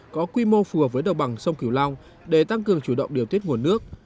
có quy mô phù hợp với đồng bằng sông cửu long để tăng cường chủ động điều tiết nguồn nước